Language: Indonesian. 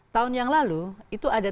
tahun yang lalu itu ada